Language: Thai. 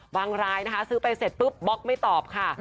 รายนะคะซื้อไปเสร็จปุ๊บบล็อกไม่ตอบค่ะ